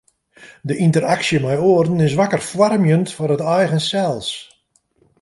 De ynteraksje mei oaren is wakker foarmjend foar it eigen sels.